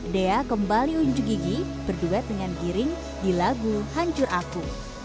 dea kembali unjuk gigi berduet dengan giring di lagu hancur aku